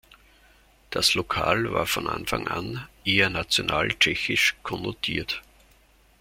Das Lokal war von Anfang an eher national tschechisch konnotiert.